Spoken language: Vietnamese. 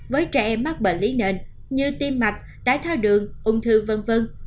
với trẻ mắc bệnh lý nền như tim mạch đáy thao đường ung thư v v